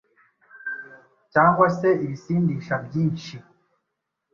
cyangwa se ibisindisha bynshi